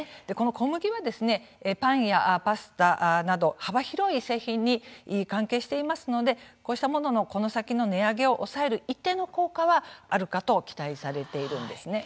小麦は、パンやパスタなど幅広い製品に関係していますのでこうしたものの、この先の値上げを抑える、一定の効果はあるかと期待されているんですね。